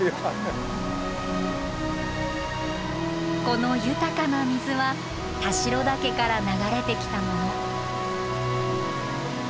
この豊かな水は田代岳から流れてきたもの。